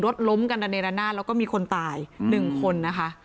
รถล้มกันระเนรนาศแล้วก็มีคนตาย๑คนนะคะ